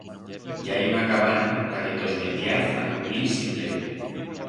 I hai una cabana ta que tos metiaz a cubil si pleve.